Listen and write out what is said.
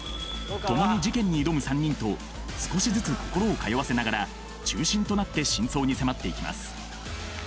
共に事件に挑む３人と少しずつ心を通わせながら中心となって真相に迫っていきます